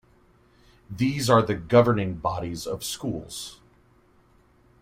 These are the governing bodies of schools.